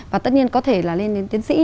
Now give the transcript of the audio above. và tất nhiên có thể là lên đến tiến sĩ